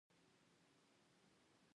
آیا میرآب د اوبو د ویش مسوول نه وي؟